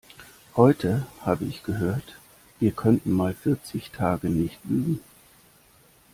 Heute habe ich gehört, wir könnten mal vierzig Tage nicht Lügen.